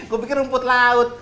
gue pikir rumput laut